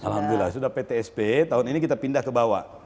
alhamdulillah sudah ptsp tahun ini kita pindah ke bawah